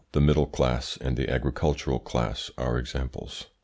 The middle class and the agricultural class are examples.